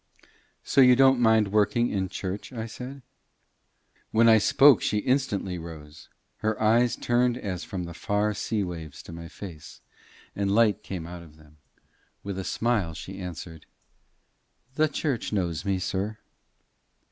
"So you don't mind working in church?" I said. When I spoke she instantly rose, her eyes turned as from the far sea waves to my face, and light came out of them. With a smile she answered "The church knows me, sir."